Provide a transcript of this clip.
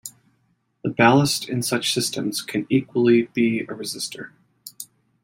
The ballast in such systems can equally be a resistor.